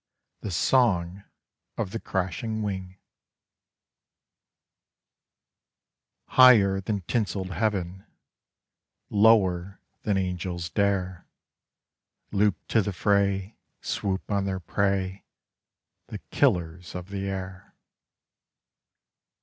THE SONG OF THE CRASHING WING _Higher than tinselled heaven, Lower than angels dare, Loop to the fray, swoop on their prey, The Killers of the Air.